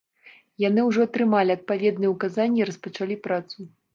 Яны ўжо атрымалі адпаведныя ўказанні і распачалі працу.